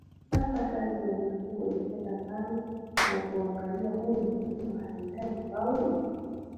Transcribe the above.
sasa kazi ya mifugo ni kwenda pale na kuangalia huyu mkulima anahitaji fauli